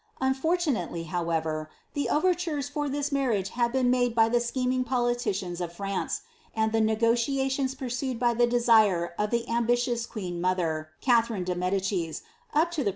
Unfortunately, howevet, the overtures for this marriage had been made by the scheming politicians of France, and the negotiations pursued by the desire of the ambitious queen mother, Catherine de Medicis, up lo the pre.'